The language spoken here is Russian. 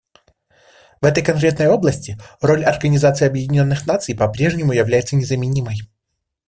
В этой конкретной области роль Организации Объединенных Наций по-прежнему является незаменимой.